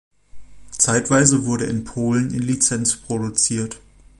Zeitweise wurde in Polen in Lizenz produziert.